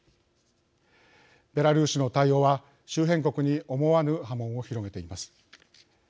ベラルーシの対応は周辺国に思わぬ波紋を広げています。